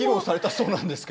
そうなんですよ。